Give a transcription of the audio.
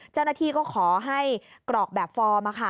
เจ้าหน้าที่ก็ขอให้กรอกแบบฟอร์ม